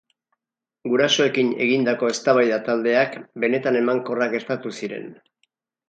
Gurasoekin egindako eztabaida-taldeak benetan emankorrak gertatu ziren.